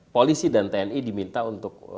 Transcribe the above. polisi dan tni diminta untuk